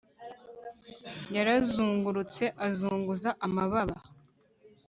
yarazungurutse azunguza amababa